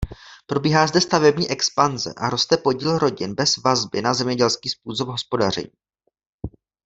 Probíhá zde stavební expanze a roste podíl rodin bez vazby na zemědělský způsob hospodaření.